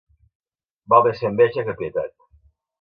Val més fer enveja que pietat.